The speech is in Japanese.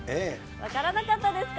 分からなかったですか？